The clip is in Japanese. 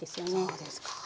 そうですか。